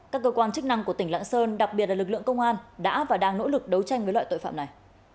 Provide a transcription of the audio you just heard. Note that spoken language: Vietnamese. các cơ quan chức năng của tỉnh lạng sơn đặc biệt là lực lượng công an đã và đang nỗ lực đấu tranh với loại tội phạm này